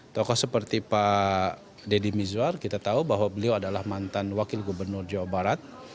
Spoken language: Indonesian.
tokoh seperti pak deddy mizwar kita tahu bahwa beliau adalah mantan wakil gubernur jawa barat